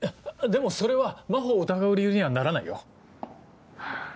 でもそれは真帆を疑う理由にはならないよ。ハァ。